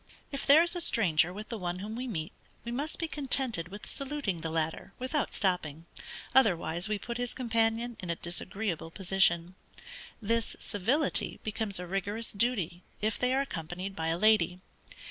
If there is a stranger with the one whom we meet, we must be contented with saluting the latter without stopping, otherwise we put his companion in a disagreeable position. This civility becomes a rigorous duty if they are accompanied by a lady.